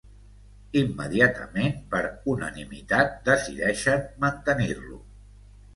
Immediatament, per unanimitat decideixen mantenir-lo.